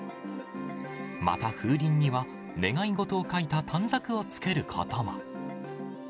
また風鈴には、願い事を書いた短冊をつけることも。